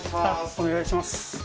お願いします